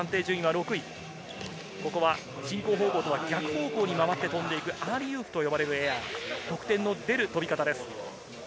ここは進行方向と逆方向に回って飛んでいくアーリーウープと呼ばれるエア、得点の出る飛び方です。